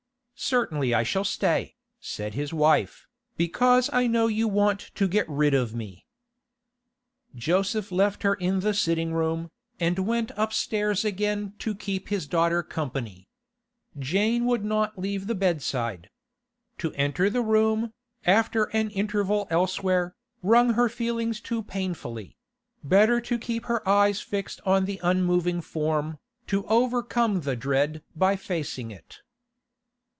'Certainly I shall stay,' said his wife, 'because I know you want to get rid of me.' Joseph left her in the sitting room, and went upstairs again to keep his daughter company. Jane would not leave the bedside. To enter the room, after an interval elsewhere, wrung her feelings too painfully; better to keep her eyes fixed on the unmoving form, to overcome the dread by facing it.